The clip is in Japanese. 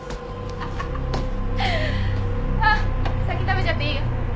あっ先食べちゃっていいよ。